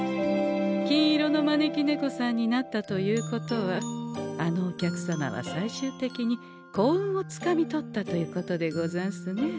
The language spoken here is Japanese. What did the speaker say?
金色の招き猫さんになったということはあのお客様は最終的に幸運をつかみ取ったということでござんすね。